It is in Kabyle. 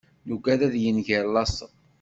Nugad ad yenger laṣel.